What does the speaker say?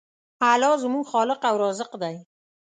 الله زموږ خالق او رازق دی.